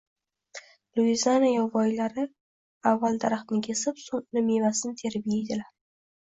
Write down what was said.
Luiziana yovvoyilari avval daraxtni kesib, so‘ng uning mevasini terib yeydilar.